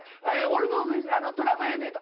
俺のドラマやねん」